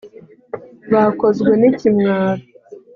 bakozwe n ikimwaro